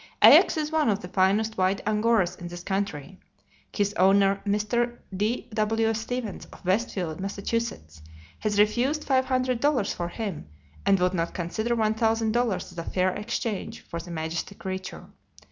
Ajax is one of the finest white Angoras in this country. His owner, Mr. D.W. Stevens, of West field, Mass., has refused five hundred dollars for him, and would not consider one thousand dollars as a fair exchange for the majestic creature.